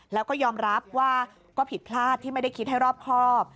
แล้วก็ยอมรับว่าก็ผิดพลาดที่ไม่ได้คิดให้รอบครอบ